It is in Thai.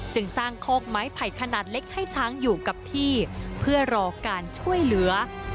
จึงสร้างคอกไม้ไผ่ขนาดเล็กให้ช้างอยู่กับที่เพื่อรอการช่วยเหลือ